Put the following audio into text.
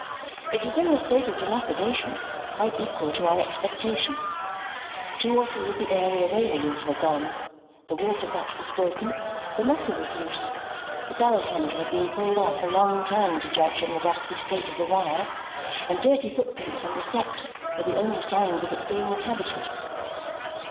It was in a state of dilapidation quite equal to our expectation. Two or three of the area railings were gone, the water butt was broken, the knocker was loose, the bell handle had been pulled off a long time to judge from the rusty state of the wire, and dirty footprints on the steps were the only signs of its being inhabited.